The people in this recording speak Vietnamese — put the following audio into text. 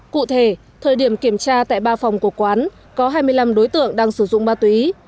cụ thể thời điểm kiểm tra tại ba phòng của quán có hai mươi năm đối tượng đang sử dụng ma túy